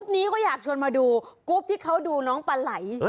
นี้เขาอยากชวนมาดูกรุ๊ปที่เขาดูน้องปลาไหล